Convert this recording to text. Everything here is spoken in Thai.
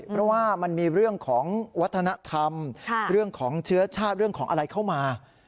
เพราะว่ามันมีเรื่องของวัฒนธรรมเรื่องของเชื้อชาติเรื่องของอะไรเข้ามา